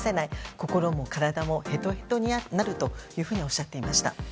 心も体もへとへとになるというふうにおっしゃっていました。